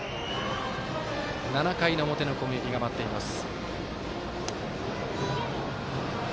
７回の表の攻撃が待っています。